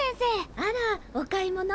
あらお買い物？